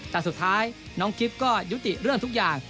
แต่สุดท้ายน้องกิฟต์ก็ยุติเรื่องทุกอย่าง